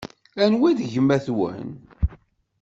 Anwa i d gma-twen?